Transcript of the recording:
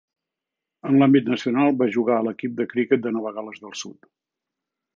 En l'àmbit nacional, va jugar a l'equip de criquet de Nova Gal·les del Sud.